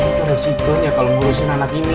eh itu resipen ya kalau ngurusin anak ini